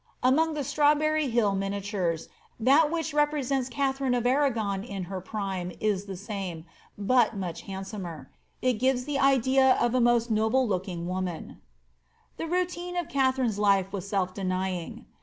Among the Strawberry Hill miniatures, that which represents nine of Arragon in her prime is the same, but much handsomer n the idea of a most noble looking woman, e roatine of Katharine's life was self denying.